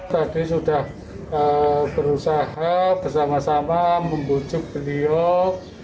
tadi sudah berusaha bersama sama membujuk beliau